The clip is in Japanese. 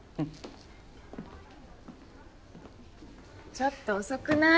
ちょっと遅くない？